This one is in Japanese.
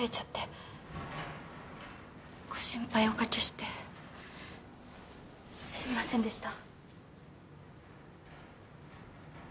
ご心配をおかけしてすいませんでした。